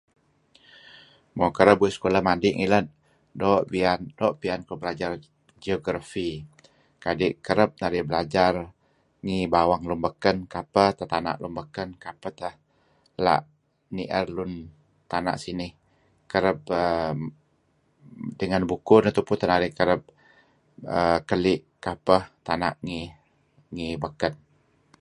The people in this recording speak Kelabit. Mo kereb uih sekulah madi' ngilad doo' piyan kuh belajar geography. Kadi' kereb narih belajar ngi bawang lun beken kapeh teh tana' lun beken, kapeh teh la' nier lem tana' sinih. Kereb err dengan bukuh neh tupu teh narih kereb err keli' kapeh tana' ngi beken,